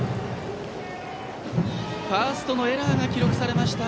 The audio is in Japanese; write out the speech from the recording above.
ファーストのエラーが記録されました。